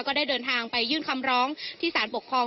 ก็ได้เดินทางไปยื่นคำร้องที่สารปกครอง